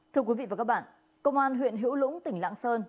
thưa quý vị và các bạn công an huyện hữu lũng tỉnh lạng sơn